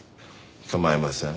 構いません。